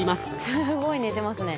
すごい寝てますね。